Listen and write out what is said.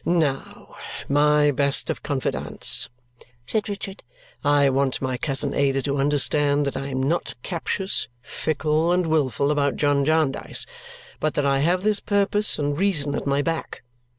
"Now, my best of confidantes," said Richard, "I want my cousin Ada to understand that I am not captious, fickle, and wilful about John Jarndyce, but that I have this purpose and reason at my back.